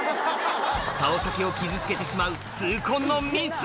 竿先を傷つけてしまう痛恨のミス！